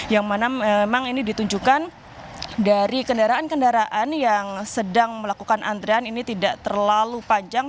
yang mana memang ini ditunjukkan dari kendaraan kendaraan yang sedang melakukan antrean ini tidak terlalu panjang